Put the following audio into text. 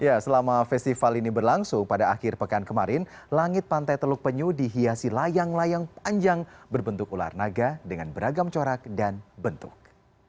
ya selama festival ini berlangsung pada akhir pekan kemarin langit pantai teluk penyu dihiasi layang layang panjang berbentuk ular naga dengan beragam corak dan bentuk